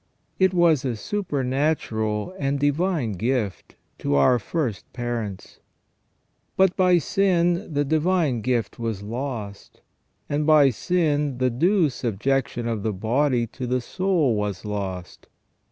It was a supernatural and divine gift to our first parents. But by sin the divine gift was lost, and by sin the due subjection of the body to the soul was lost.